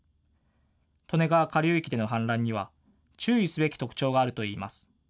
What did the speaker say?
利根川下流域での氾濫には注意すべき特徴があるといいます。